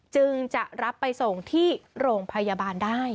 จึงจะรับไปส่งที่โรงพยาบาลได้